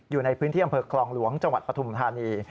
อยู่ในพื้นที่อำเภอคลองหลวงจังหวัดปฐุมธานี